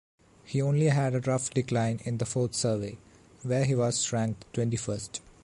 He only had a rough decline in the fourth survey, where he was ranked twenty-first.